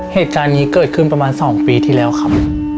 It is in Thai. เหตุการณ์นี้เกิดขึ้นประมาณ๒ปีที่แล้วครับ